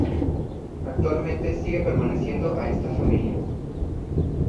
Actualmente sigue perteneciendo a esta familia.